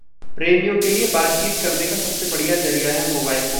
प्रेमियों के लिए बातचीत करने का सबसे बढ़िया जरिया है मोबाइल फोन